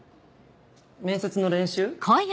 面接の練習？